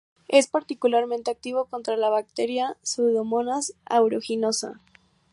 Es particularmente activo contra la bacteria "Pseudomonas aeruginosa".